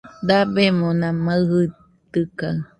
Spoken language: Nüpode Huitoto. Dabemona maɨjitɨkaɨ